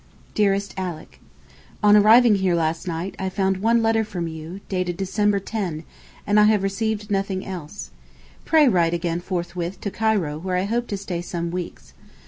DEAREST ALICK, On arriving here last night I found one letter from you, dated December 10, and have received nothing else. Pray write again forthwith to Cairo where I hope to stay some weeks.